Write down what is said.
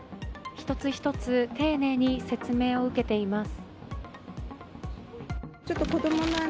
１つ１つ丁寧に説明を受けています。